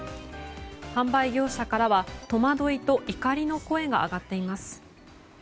販売業者からは戸惑いと怒りの声が上がっています。